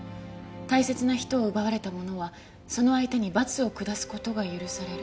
「大切な人を奪われた者はその相手に罰を下すことが許される」